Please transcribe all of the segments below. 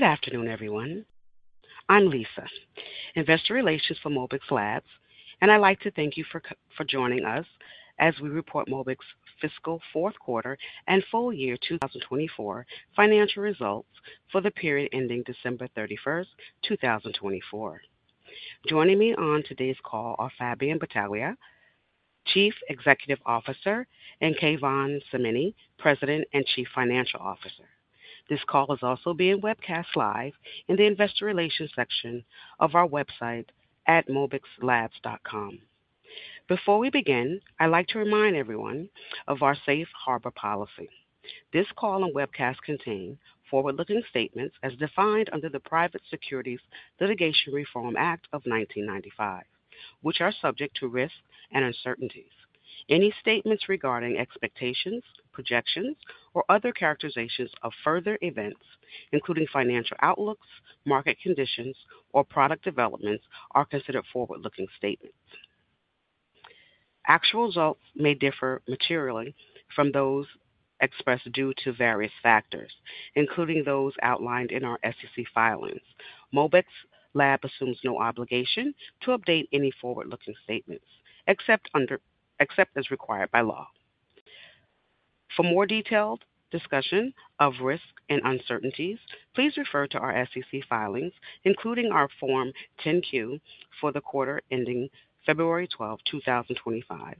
Good afternoon, everyone. I'm Lisa, Investor Relations for Mobix Labs, and I'd like to thank you for joining us as we report Mobix's fiscal fourth quarter and full year 2024 financial results for the period ending December 31, 2024. Joining me on today's call are Fabian Battaglia, Chief Executive Officer, and Keyvan Samini, President and Chief Financial Officer. This call is also being webcast live in the Investor Relations section of our website at mobixlabs.com. Before we begin, I'd like to remind everyone of our Safe Harbor policy. This call and webcast contain forward-looking statements as defined under the Private Securities Litigation Reform Act of 1995, which are subject to risk and uncertainties. Any statements regarding expectations, projections, or other characterizations of further events, including financial outlooks, market conditions, or product developments, are considered forward-looking statements. Actual results may differ materially from those expressed due to various factors, including those outlined in our SEC filings. Mobix Labs assumes no obligation to update any forward-looking statements, except as required by law. For more detailed discussion of risk and uncertainties, please refer to our SEC filings, including our Form 10-Q for the quarter ending February 12, 2025,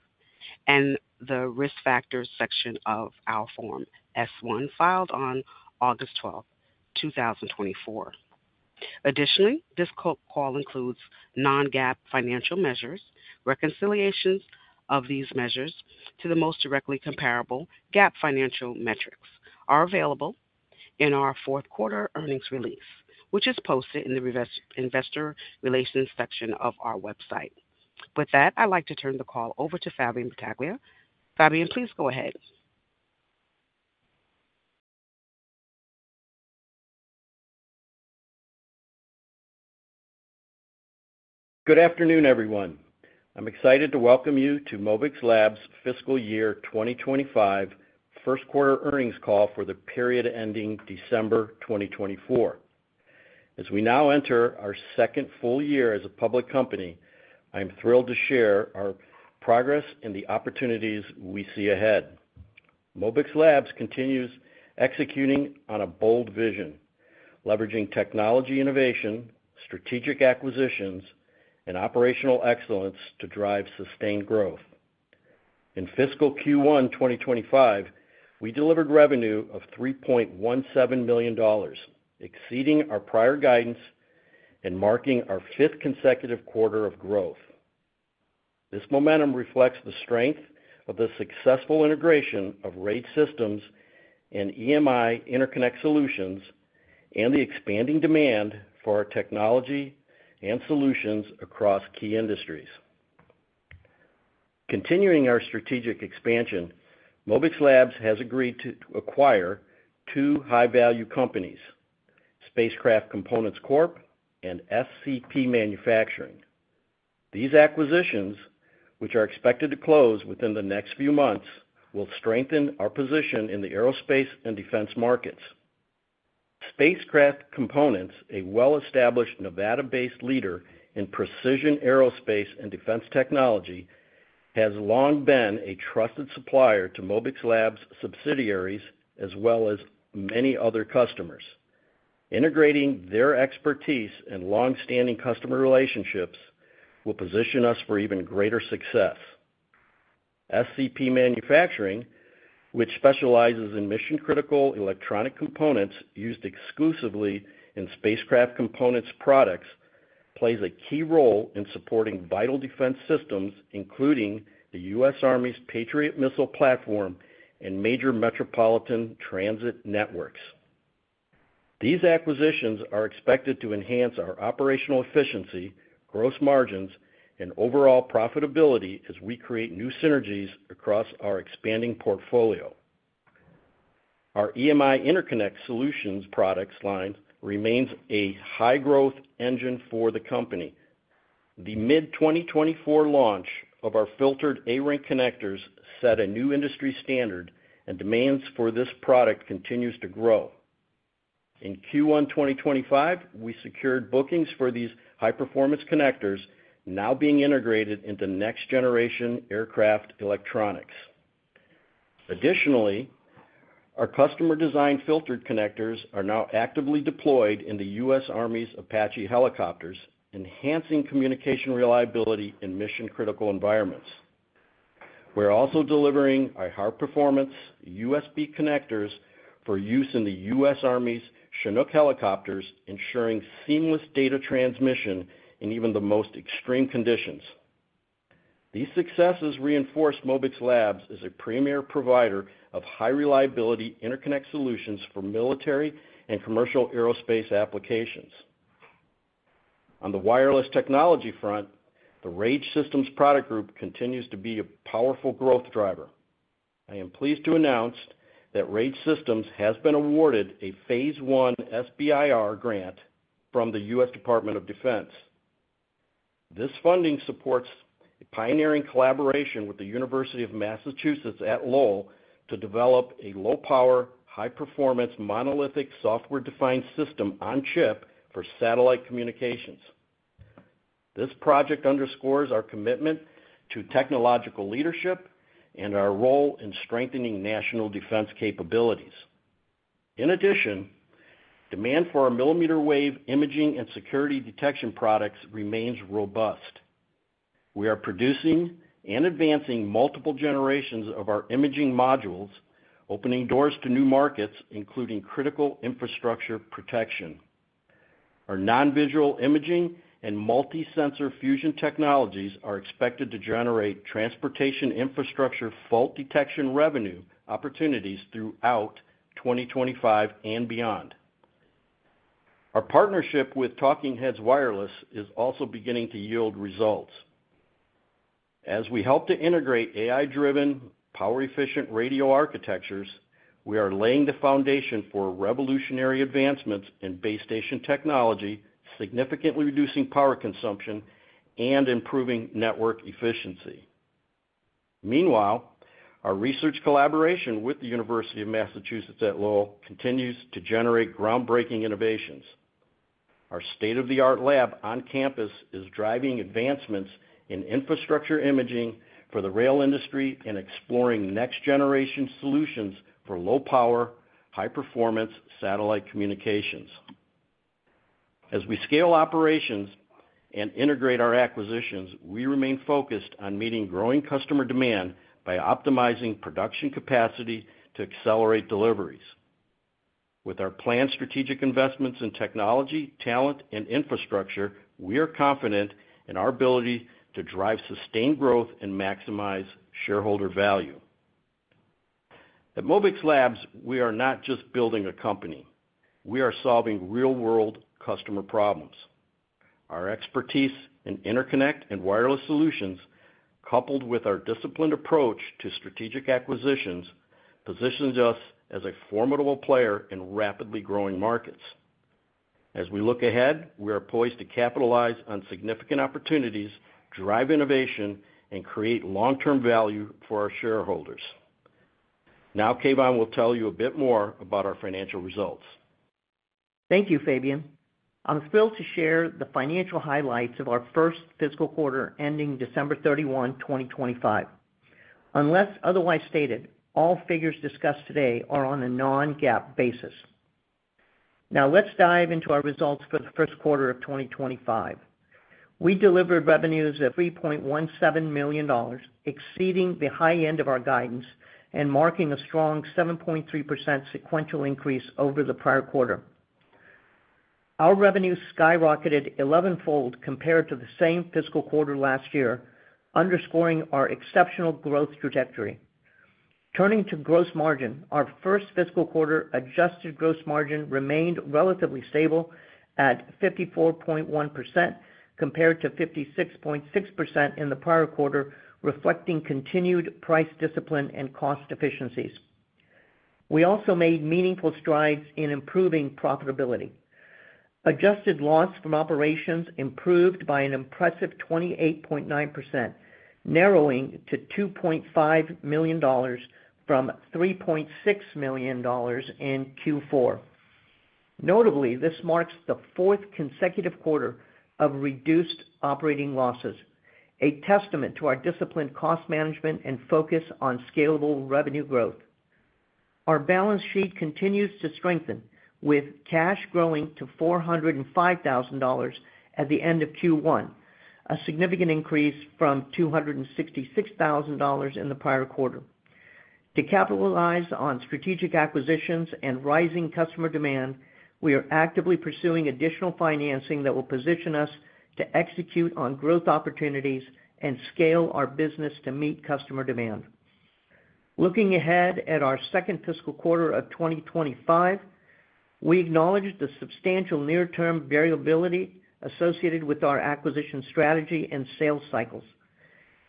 and the risk factors section of our Form S-1 filed on August 12, 2024. Additionally, this call includes non-GAAP financial measures. Reconciliations of these measures to the most directly comparable GAAP financial metrics are available in our fourth quarter earnings release, which is posted in the Investor Relations section of our website. With that, I'd like to turn the call over to Fabian Battaglia. Fabian, please go ahead. Good afternoon, everyone. I'm excited to welcome you to Mobix Labs fiscal year 2025 first quarter earnings call for the period ending December 2024. As we now enter our second full year as a public company, I'm thrilled to share our progress and the opportunities we see ahead. Mobix Labs continues executing on a bold vision, leveraging technology innovation, strategic acquisitions, and operational excellence to drive sustained growth. In fiscal Q1 2025, we delivered revenue of $3.17 million, exceeding our prior guidance and marking our fifth consecutive quarter of growth. This momentum reflects the strength of the successful integration of RaGE Systems and EMI interconnect solutions and the expanding demand for our technology and solutions across key industries. Continuing our strategic expansion, Mobix Labs has agreed to acquire two high-value companies: Spacecraft Components Corp. and SCP Manufacturing. These acquisitions, which are expected to close within the next few months, will strengthen our position in the aerospace and defense markets. Spacecraft Components, a well-established Nevada-based leader in precision aerospace and defense technology, has long been a trusted supplier to Mobix Labs' subsidiaries, as well as many other customers. Integrating their expertise and long-standing customer relationships will position us for even greater success. SCP Manufacturing, which specializes in mission-critical electronic components used exclusively in Spacecraft Components' products, plays a key role in supporting vital defense systems, including the U.S. Army's Patriot missile platform and major metropolitan transit networks. These acquisitions are expected to enhance our operational efficiency, gross margins, and overall profitability as we create new synergies across our expanding portfolio. Our EMI interconnect solutions product line remains a high-growth engine for the company. The mid-2024 launch of our filtered ARINC connectors set a new industry standard, and demands for this product continue to grow. In Q1 2025, we secured bookings for these high-performance connectors, now being integrated into next-generation aircraft electronics. Additionally, our customer-designed filtered connectors are now actively deployed in the U.S. Army's Apache helicopters, enhancing communication reliability in mission-critical environments. We're also delivering our high-performance USB connectors for use in the U.S. Army's Chinook helicopters, ensuring seamless data transmission in even the most extreme conditions. These successes reinforce Mobix Labs as a premier provider of high-reliability interconnect solutions for military and commercial aerospace applications. On the wireless technology front, the RaGE Systems product group continues to be a powerful growth driver. I am pleased to announce that RaGE Systems has been awarded a phase one SBIR grant from the U.S. Department of Defense. This funding supports a pioneering collaboration with the University of Massachusetts at Lowell to develop a low-power, high-performance monolithic software-defined system on chip for satellite communications. This project underscores our commitment to technological leadership and our role in strengthening national defense capabilities. In addition, demand for our millimeter wave imaging and security detection products remains robust. We are producing and advancing multiple generations of our imaging modules, opening doors to new markets, including critical infrastructure protection. Our non-visual imaging and multi-sensor fusion technologies are expected to generate transportation infrastructure fault detection revenue opportunities throughout 2025 and beyond. Our partnership with TalkingHeads Wireless is also beginning to yield results. As we help to integrate AI-driven, power-efficient radio architectures, we are laying the foundation for revolutionary advancements in base station technology, significantly reducing power consumption and improving network efficiency. Meanwhile, our research collaboration with the University of Massachusetts at Lowell continues to generate groundbreaking innovations. Our state-of-the-art lab on campus is driving advancements in infrastructure imaging for the rail industry and exploring next-generation solutions for low-power, high-performance satellite communications. As we scale operations and integrate our acquisitions, we remain focused on meeting growing customer demand by optimizing production capacity to accelerate deliveries. With our planned strategic investments in technology, talent, and infrastructure, we are confident in our ability to drive sustained growth and maximize shareholder value. At Mobix Labs, we are not just building a company; we are solving real-world customer problems. Our expertise in interconnect and wireless solutions, coupled with our disciplined approach to strategic acquisitions, positions us as a formidable player in rapidly growing markets. As we look ahead, we are poised to capitalize on significant opportunities, drive innovation, and create long-term value for our shareholders. Now, Keyvan will tell you a bit more about our financial results. Thank you, Fabian. I'm thrilled to share the financial highlights of our first fiscal quarter ending December 31, 2025. Unless otherwise stated, all figures discussed today are on a non-GAAP basis. Now, let's dive into our results for the first quarter of 2025. We delivered revenues of $3.17 million, exceeding the high end of our guidance and marking a strong 7.3% sequential increase over the prior quarter. Our revenues skyrocketed 11-fold compared to the same fiscal quarter last year, underscoring our exceptional growth trajectory. Turning to gross margin, our first fiscal quarter adjusted gross margin remained relatively stable at 54.1% compared to 56.6% in the prior quarter, reflecting continued price discipline and cost efficiencies. We also made meaningful strides in improving profitability. Adjusted loss from operations improved by an impressive 28.9%, narrowing to $2.5 million from $3.6 million in Q4. Notably, this marks the fourth consecutive quarter of reduced operating losses, a testament to our disciplined cost management and focus on scalable revenue growth. Our balance sheet continues to strengthen, with cash growing to $405,000 at the end of Q1, a significant increase from $266,000 in the prior quarter. To capitalize on strategic acquisitions and rising customer demand, we are actively pursuing additional financing that will position us to execute on growth opportunities and scale our business to meet customer demand. Looking ahead at our second fiscal quarter of 2025, we acknowledge the substantial near-term variability associated with our acquisition strategy and sales cycles.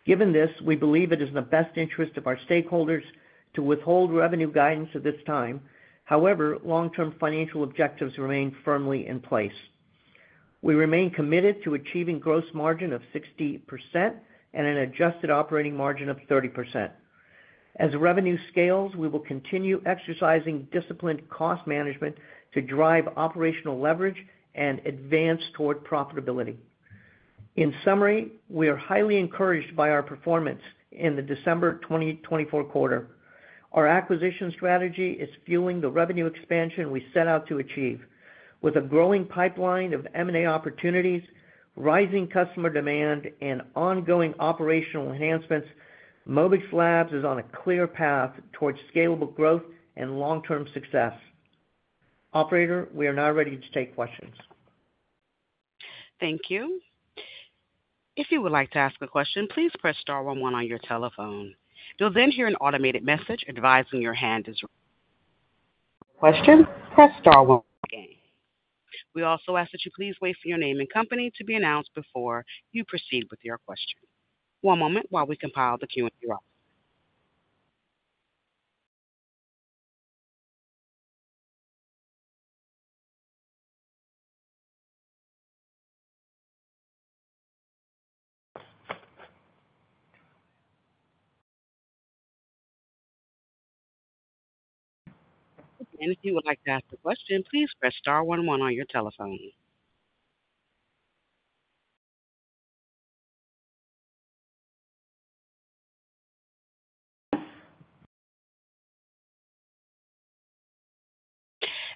Given this, we believe it is in the best interest of our stakeholders to withhold revenue guidance at this time. However, long-term financial objectives remain firmly in place. We remain committed to achieving gross margin of 60% and an adjusted operating margin of 30%. As revenue scales, we will continue exercising disciplined cost management to drive operational leverage and advance toward profitability. In summary, we are highly encouraged by our performance in the December 2024 quarter. Our acquisition strategy is fueling the revenue expansion we set out to achieve. With a growing pipeline of M&A opportunities, rising customer demand, and ongoing operational enhancements, Mobix Labs is on a clear path toward scalable growth and long-term success. Operator, we are now ready to take questions. Thank you. If you would like to ask a question, please press star one one on your telephone. You'll then hear an automated message advising your hand is ready. For a question, press star one one again. We also ask that you please wait for your name and company to be announced before you proceed with your question. One moment while we compile the Q&A request. If you would like to ask a question, please press star one one on your telephone.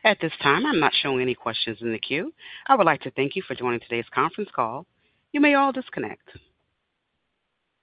At this time, I'm not showing any questions in the queue. I would like to thank you for joining today's conference call. You may all disconnect.